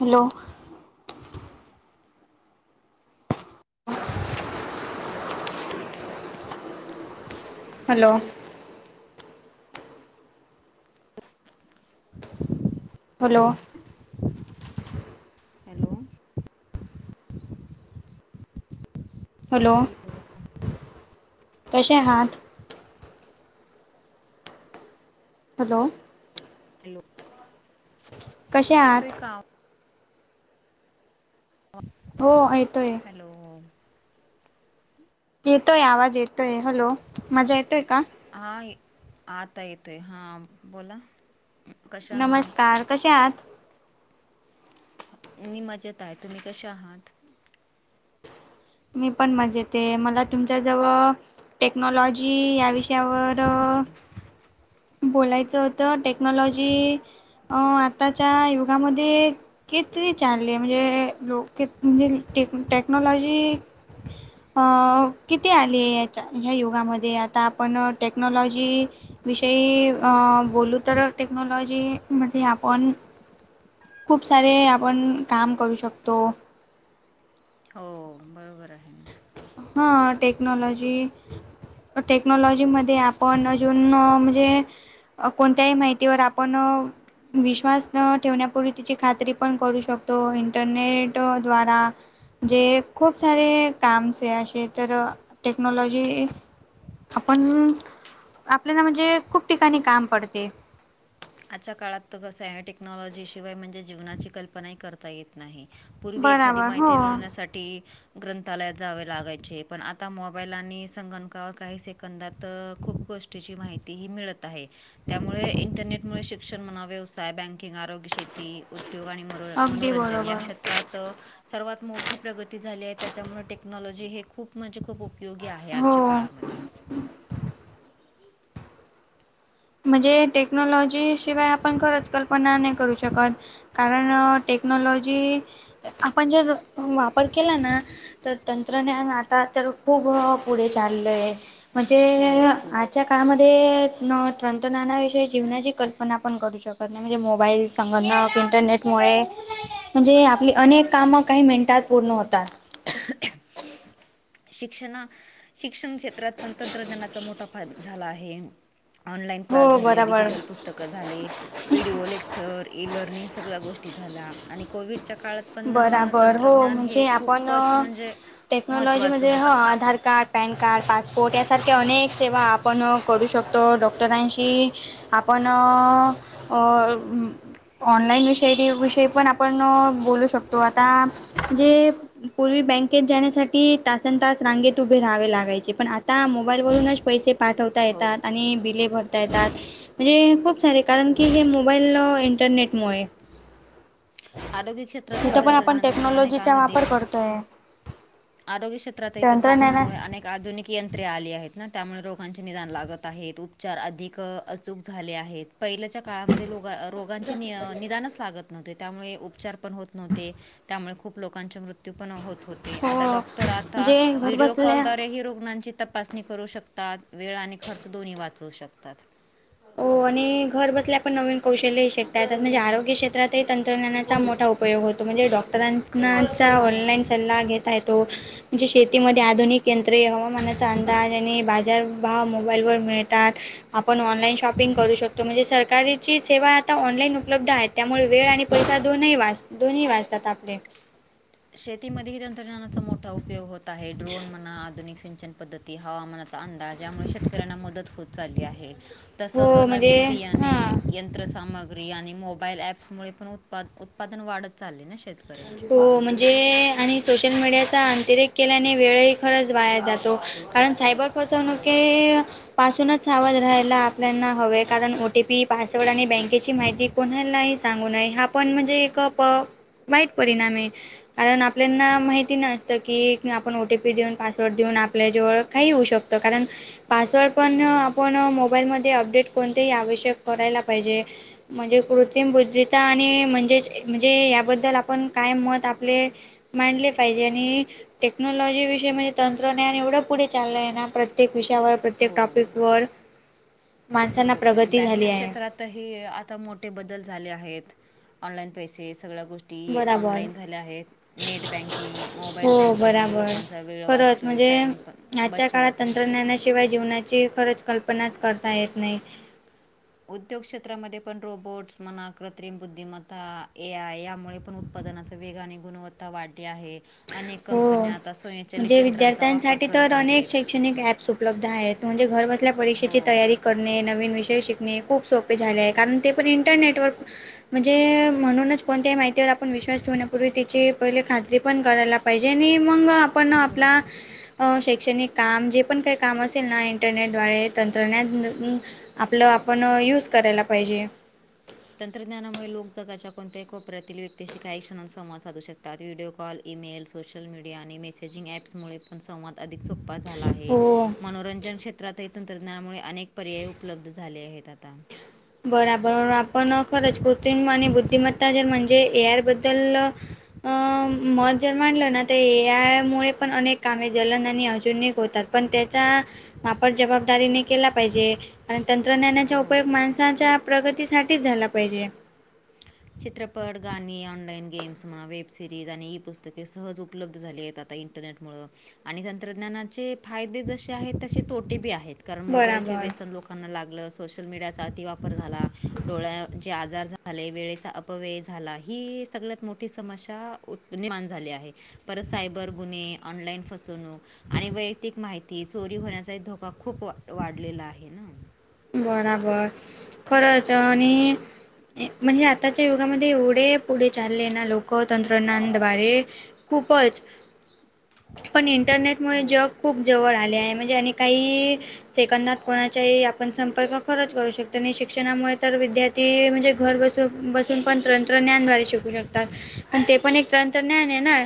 Hello. Hello. [unintelligible] Hello. येतोय? Hello. Hello. कसे आहात. हॅलो. हॅलो. कसे येतोय आहात? का आवाज? ह. हो येतोय. हॅलो येतोय आवाज येतोय हॅलो मजा येतोय का. हा आता येतोय हा बोला. कशा आहात नमस्कार कसे आहात नि मजेत आहे तुमही कसे आहात. मी पण मजेत मला तुमच्या जवळ टेक्नॉलॉजी जी या विषयावर ओके बोलायचं होतं टेक्नॉलॉजी अ आताच्या युगामध्ये कितीती चचालली आहे म्हणजे लो म्हणजेे टेक्नॉलॉजी अ किती आले याच्या ह्या युगामध्ये आता आपण टेक्नॉलॉजी विषयी बोलू तर टेक्नॉलॉजी मध्ये आपण खूप सारे आपण काम करू शकतो. हो बरोबर आहे ना. हा टेक्नॉलॉजी. टेक्नॉलॉजीमध्येध्ये आपण अजून म्हणजे. कोणत्याही माहितीवर आपण विश्वास न ठेवण्यापूर्वी तिची खात्री पण करू शकतो इंटरनेट द्वारा जे खूप सारे काम से असे तर टेक्नॉलॉजी आपण आपल्याला म्हणजे खूप ठिकाणी काम पडते आजच्या काळात तर कस टेक्नॉलॉजी शिवाय म्हणजे जीवनाची कल्पनाही करता येत नाही पूर्वी एखादी बराबर हो माहिती मिळवण्यासाठी ग्रंथालयात जावे लागायचे पण आता मोबाईल आणि संगणकावर काही सेकंदात खूप गोष्टी माहिती ही मिळत आहे त्यामुळे इंटरनेट शिक्षण म्हणा व्यवसाय बँकिंग आरोग्य शेती उद्योग आणि म अगदी मोरंजन बरोबर. या क्षेत्रात सर्वात मोठी प्रगती झाली आहे त्यामुळे टेक्नॉलॉजी हे खूप म्हणजे खूप उपयोगी आहे आजच्या काळामध्ये. ऑडिओ प्राप्त नाहीये म्हणजे टेक्नॉलॉजी शिवाय आपण खरंच कल्पना नाही करू शकत कारण टेक्नॉलॉजी आपण जर वापर केला ना तर तंत्रज्ञान आता तर खूप पुढे चाललंय. म्हणजे हो खूप आजच्या काळामध्ये न, तंत्रज्ञानाशिवाय जीवनाची कल्पनाही करू शकत नाही मोबाईल संगणक इंटरनेट मुळे, म्हणजे आपली अनेक कामं काही मिनिटात पूर्ण होतात. खोकण्याचा आवाज आहे फक्त ऑडिओ उपलब्ध नाहीये शिक्षणा शिक्षण क्षेत्रात पण तंत्रज्ञानाचा मोठा फायदा झाला आहे. ऑनलाइन क्स हो झाले बराबर डिजिटल पुस्क? पुस्तकं झाले वि्हिडिओ लेक्चर ए लर्निंग सगळ्या गोष्टी झाल्या आणि कोविडच्या काळात पण बराबर हो तंत्रज्ञान हे म्हणजे आपण खूपच म्हणजे! महत्त्वाचं टेक्नॉलॉजीमध्ये हो होतं Aadhaar card PAN card passport यासारख्या अनेक सेवा आपण करू शकतो डॉक्टरांशी आपण अ अ ऑनलाईन विषय विषय पण आपण बोलू शकतो आता जे, पूर्वी बँकेत जाण्यासाठी तासन तास रांगेत उभे राहावे लागायचे पण आता मोबाईलवरूनच पैसे, पाठवता हो येतात आणि बिले भरता येतात म्हणजे खूप सारे कारण की हो हे मो, मोबाईल इंटरनेटमुळे आरोग्य क्षेत्रातील तिथं पण आपण तंत्रज्ञानामुळे अनेक टेक्नॉलॉजीचा वापर अधिक, करतोय आरोग्य क्षेत्रातही तंत्रज्ञाना तंत्रज्ञानामुळे अनेक आधुनिक, ्रे आ आहेत त्यामुळे रोगांचे निदान लागत आहेत उपचार अधिक अचूक झाले आहेत पहिले चात, काळामध्ये रोगांचे निदानच लागत नव्हते. त्यामुळे, उपचार पण होत नव्हते. त्यामुळे खूप लोकांचे मृत्यू पण होत हो आता डॉक्टर आता म्हणजे घर व्हिडिओ बसल्या कॉलद्वारे ही रुग्णांची तपा तपासणी करू शकतात. वेळ आणि खर्च दोन्ही वाचवू शकतात. हो आणि घर बसल्या पण नवीन कौशल्यही शिकतात म्हणजे आरोग्य शेत तर ते तंत्रज्ञानाचा मोठा उपयोग होतो. म्हणजे खूप डॉक्टरांनाचा खूप ऑनलाईन सल्ला घेता ये तो. म्हणजे शेतीमध्ये आधुनिक यंत्रे, हवामानाचा अंदाज आणि बाजारभाव मोबाईल वर मिळतात. आपण ऑनलाईन शॉपिंग करू शकतो. म्हणजे सरकारीची सेवा, आता ऑनलाईन उपलब्ध आहे. त्यामुळे, वेळ आणि पैसा दोनही वाच दोनही वाचतात आपले. शेतीमध्ये तंत्रज्ञानाचा मोठा उपयोग होत आहे. ड्रोन, म्हणा आधुनिक सिंचन पद्धती, हवामानाचा अंदाज यामुळे शेतकऱ्यांना मदत होत चालली आहे. तसच हो म्हणजे नवीन बियाणे हां यंत्र साम ग्री आणि मोबाईल ऍप्समुळे पण उत् उत्पादन वाढत चालले. शे हो, म्हणजे आणि सोशल मीडियाचा अतिरेक केल्याने वेळही खरंच वाया जातो. कारण सायबर हो फसवणुक ही पासूनच आवाज राहायला. आपल्याना हवे कारण ओ टी पी पासवर्ड आणि, बँकेची माहिती कोणालाही सांगू नये. हा पण म्हणजे एक प वाईट परिणाम आहे. कारण आपल्याना माहिती नस त. की आपण ओ टी पी देऊन, पासवर्ड देऊन आपल्या जवळ काही होऊ शकत. कारण, पासवर्ड पण अ हो आपण मोबाईलमध्ये अपडेट कोणतेही आवश्यक करायला पाहिजे. म्हणजे कृत्रिम बुद्धीता आणि म्हणजेच, म्हणजे याबद्दल आपण काय मत आपले मांडले पाहिजे. आणि टेक्नॉलॉजी विषयी म्हणजे तंत्रज्ञान एवढं पुढे चाललं आहे ना. प्रत त्येक विषयावर, प्रत्येक टॉपिक हो वर माणसांना प्रगती झाली आहे. तर हे आता मोठे बदल झाले आहेत. ऑनलाईन पैसे सगळ्या गोष्टी, ती बराबर ऑनलाईन झाल्या आहेत. नेट बँकिंग, मोबाईल हो बँकिंगमुळे बराबर लोकांचा वेळ खरंच वाचतो आहे. म्हणजे टाईम पण आजच्या काळात बचत तंत्रज्ञानाशिवाय जीवनाची खरंच कल्पनाच करता येत नाही. उद्योग क्षेत्रामध्ये पण रोबोट्स म्हणा, कृत्रिम बुद्धिमत्ता, ए आय यामुळे पण उत्पादनाचे वेगाने गुणवत्ता वाढली आहे. अनेक हो कंपन्या आता स्वयंचलित म्हणजे यंत्रांचा वापर विद्यार्थ्यांसाठी तर करत अनेक आहेत. शैक्षणिक ॲप्स उपलब्ध आहेत. म्हणजे घर बसल्या हो परीक्षेची तयारी करणे. नवीन विषय शिकणे. खूप सोपे झाले आहे. कारण ते पण इंटरनेटवर म्हणजे म्हणूनच कोणत्याही माहितीवर आपण विश्वास ठेवण्यापूर्वी तिची पहिले खात्री पण करायला पाहिजे. आणि मग आपण आपला बरोबर आहे अ शैक्षणिक काम जे पण काही काम असेल ना. इंटरनेटद्वारे तंत्रज्ञान अ आपलं आपण यूज करायला पाहिजे. तंत्रज्ञानामुळे लोक जगाच्या कोणत्याही कोपऱ्यातील व्यक्तीशी काही क्षणात संवाद साधू शक तात. Video call, email, social media आणि मेसेजिंग ऍप्समुळे पण संवाद अधिक सोपा झाला आहे. हो मनोरंजन क्षेत्र तील तंत्रज्ञानामुळे अनेक पर्याय उपलब्ध झाले आहेत आता. बराबर. आपण खरंच कृत्रिम आणि बुद्धिमत्ता जर म्हणजे ए आय बद्दल अ मत जर म्हटलं ना तर ए आय मुळे पण अनेक कामे जलन आणि आधुनिक होतात. पण त्याचा वापर जबाबदारीने केला पाहिजे. आणि तंत्रज्ञानाचा उपयोग हो माणसाच्या प्रगतीसाठीच झाला पाहिजे. चित्रपट, गाणी, ऑनलाइन गेम्स, म्हणा. वेब सिरीज आणि ई पुस्तके सहज उपलब्ध झाली आहेत. आता इन रनेटमूळ आणि तंत्रज्ञानाचे फायदे जसे आहेत. तसे तोटे बी आहेत. कारण मोबाईलचे बरोबर व्यसन लोक ना लागलं, सोशल मीडियाचा अतिवापर झाला, डोळ्याचे आजार झाले. वेळेचा अपव्यय झाला ही सगळ्यात मोठी समस्या उत्त निर्माण झाली आहे. परत सायबर गुन्हे, ऑनलाईन फसवणूक आणि वैयक्तिक माहिती, चोरी होण्याचा धोका खूप वाढलेला आहे ना. बराबर खरंच आणि म्हणजे आताच्या युगामध्ये एवढे पुढे चालले ना लोक तंत्रज्ञानद्वारे खूपच पण इंटरनेटमुळे हो जग खूप जवळ आले आहे म्हणजे आणि काही सेकंदात कोणाच्याही आप पण संपर्क खरच करू शकतो आणि शिक्षणामुळे तर विद्यार्थी म्हणजे घर बसू बस पण तंत्रज्ञानद्वारे शिकू शकतात पण ते पण एक तंत्रज्ञान आहे ना.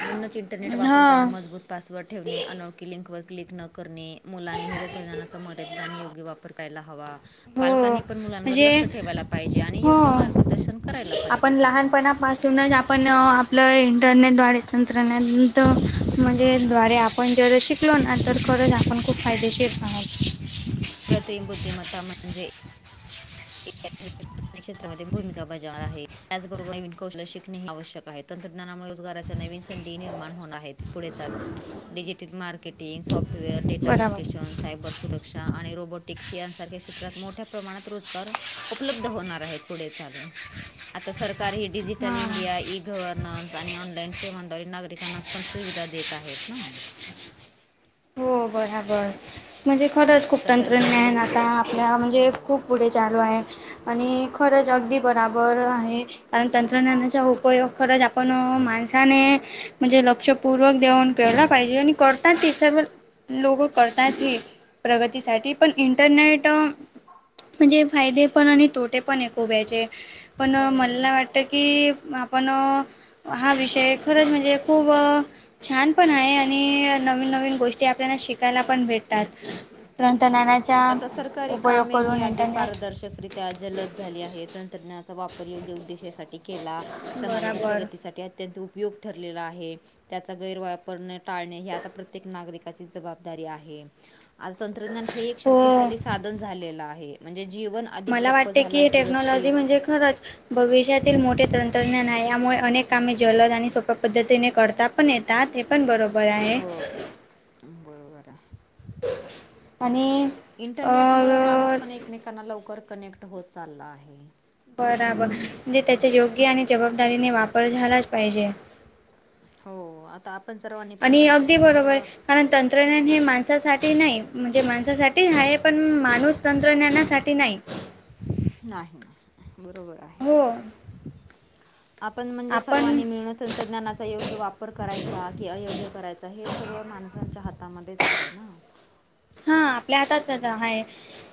म्हणूनच इंटरनेट वापरताना हां मजबूत पासवर्ड ठेवणे, अनोळखी लिंकवर क्लिक न करणे मुलांनीही तंत्रज्ञानाचा मर्यादित आणि योग्य वापर करायला हवा. हो पालकांनी पण मुलांवर म्हणजे लक्ष ठेवायला पाहिजे आणि योग्य हो मार्गदर्शन करायला पाहिजे त्यांनला. पासूनच आपण आपलं इंटरनेटद्वारे तंत्रज्ञान [unintelligible] म्हणजे द्वारे आपण जर शिकलो ना तर खरंच आपण खूप फायदेशीर आहात कृत्रिम बुद्धिमत्ता म्हणजे [inaudible] क्षेत्रामध्ये भूमिका बजावत आहे त्याचबरोबर नवीन कौशल शिकणे हे आवशक आहेत तंत्रज्ञानामुळे रोजगाराचे नवीन संधी निर्माण होणार आहेत पुढे चालून. डिजिटल मार्केटिंग सॉफ्टवेअर डेटा बरोबर विश्लेषण सायबर सुरक्षा शिका आणि रोबोटिक्स यांसारख्या क्षेत्रात मोठ्या प्रमाणात रोजगार उपलब्ध होणार आहेत. पुढे चालून आता सरकारी ही डीजीटल हां इंडिया गव्हर्ननन्स आणि ऑनलाईन सेवांद्वारे नागरिकांना पण सुविधा देत आहेत ना. हो बराबर म्हणजे खरंच खूप आता सरकारी तंत्रज्ञान आता आपल्या हो म्हणजे खूप पुढे चालूय आणि खरंच अगदी बराबर आहे. कारण तंत्रज्ञानाचा उपयोग खरंच आपण माणसाने म्हणजे लक्षपूर्वक देऊन केला पाहिजे आणि करतात ते सर्व लोग करतात हे प्रगतीसाठी पण इंटरनेट म्हणजे फायदे पण आणि तोटे पण एक [unintelligible] पण मला हो नाही वाट ते की आपण हा विषय खरंच म्हणजे खूप छान पण आहे आणि नवीन नवीन गोष्टी आपल्याला शिकायला पण भेटतात. तंत्रज्ञानाचा आता सरकारी उपयोग कामे ही करून अधिक इंटरनेट पारदर्शकरी त्या जलद झाली आहे तंत्रज्ञानाचा वापर योग्य उद्देशासाठी केला समाजाचा बरोबर प्रगतीसाठी अत्यंत उपयोग ठरलेला आहे. त्याचा गैरवापर न टाळणे हे आता प्रत्येक नागरिकाची जबाबदारी आहे आ तंत्रज्ञान हे एक हो शक्तिशाली साधन झालेलं आहे म्हणजे जीवन अधिक मला सोपं वाटते झालं की टेक्नॉलॉजी सुरक्षित म्हणजे खरंच भविष्यातील मोठे तंत्रज्ञान आहे यामुळे अनेक कामे जलद आणि सोप्या पद्धतीने करता पण ये तात ते पण बरोबर आहे. हो बरोबर आहे आणि अ मेकांना लवकर कनेक्ट होत चालला आहे. बराबर म्हणजे त्याच्या योग्य आणि जबाबदारीने वापर झालाच पाहिजे. हो आता आपण सर्वांनी पण आणि अगदी बरोबर तंत्रज्ञानाचा कारण तंत्रज्ञान हे माणसासाठी नाही म्हणजे माणसासाठी आहे पण माणूस तंत्रज्ञानासाठी नाही. नाही बरोबर आहे हो आपण म्हणजे आपण सर्वांनी मिळत तंत्रज्ञानाचा योग्य वापर करायचा की अयोग्य करायचा हे सगळं माणसांच्या हातामध्येच आहे ना. हा आपल्या हातात आहे.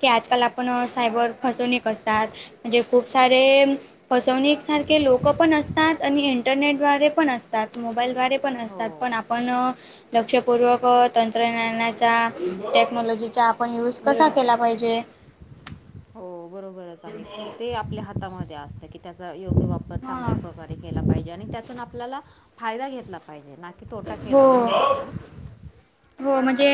की आजकाल आपण सायबर फसवणीक असतात म्हणजे खूप सारे फसवणीसारखे लोकं पण असतात आणि इंटरनेटद्वारे पण असतात मोबाईलद्वारे पण हो असतात. पण आपण लक्षपूर्वक तंत्रज्ञानाचा टेक्नॉलॉजीचा आपण युज कसा केला पाहिजे. हो बरोबरच आहे ते आपल्या हातामध्ये असत की त्याचा योग्य वाप हां चांगल्या प्रकारे केला पाहिजे आणि त्यातून आपल्याला फायदा घेतला पाहिजे. की तोटा केला पाहिजे हो आपला. हो म्हणजे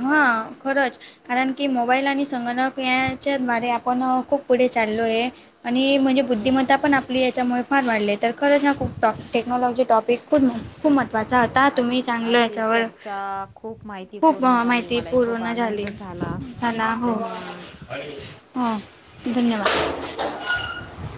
हं खरंच कारण की मोबाईल आणि संगणक याच्याद्वारे पण खूप पुढे चाललोय आणि म्हणजे बुद्धिमत्ता हो पण आपली याच्यामुळे फार वाढले तर खरंच ना खूप टॉप टेक्नॉलॉजी टॉपिक खूप, खूप महत्त्वाचा होता तुम्ही चांगलं याच्यावर अ खूप खूप माहितीपूर्ण झाली माहिती मलाही खूप पूर्ण आनंद झाली झाला हा ना हो. धन्यवाद हां धन्यवाद.